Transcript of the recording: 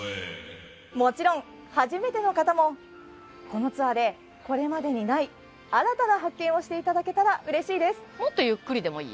もちろん初めての方もこのツアーでこれまでにない新たな発見をしていただけたら嬉しいです